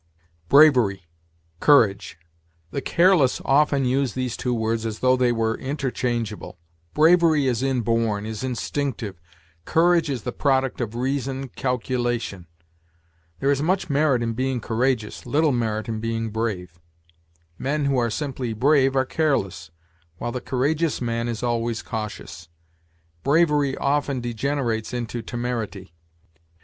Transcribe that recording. BRAVERY COURAGE. The careless often use these two words as though they were interchangeable. Bravery is inborn, is instinctive; courage is the product of reason, calculation. There is much merit in being courageous, little merit in being brave. Men who are simply brave are careless, while the courageous man is always cautious. Bravery often degenerates into temerity.